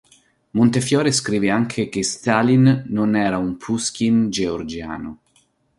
Montefiore scrive anche che "Stalin non era un Puškin georgiano.